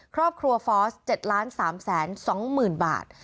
ครอบครัวฟอส๗๓๒๐๐๐บาท